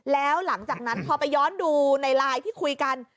แล้วหลังจากนั้นพอไปย้อนดูในไลน์ที่คุยกัน